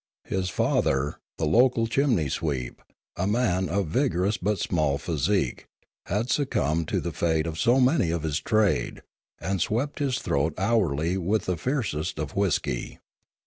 His father, the local chimney sweep, a man of vigorous but small physique, had succumbed to the fate of so many of his trade, and swept his throat hourly with the fiercest of whiskey.